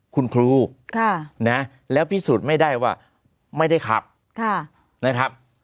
คุณครูแล้วพิสูจน์ไม่ได้ว่าไม่ได้ขับนะครับ